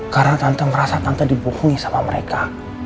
karena tante merasa tante dibohongi sama mereka